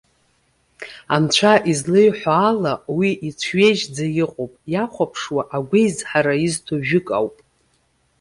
Анцәа излеиҳәо ала, уи ицәҩежьӡа иҟоуп. Иахәаԥшуа агәеизҳара изҭо жәык ауп.